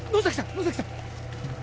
野崎さん！